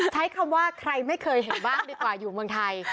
ใช้คำว่าใครไม่เคยเห็นบ้างดีกว่าอยู่เมืองไทย